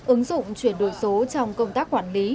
ứng dụng chuyển đổi số trong công tác quản lý